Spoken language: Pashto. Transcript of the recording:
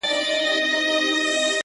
ته چیري تللی یې اشنا او زندګي چیري ده _